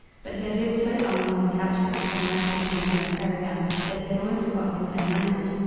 But he had lived so long among the gauchos, having left his country when very young, that he had almost forgotten his own language.